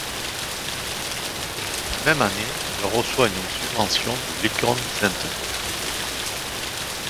Dans la même année, elle reçoit une subvention du Lincoln Center.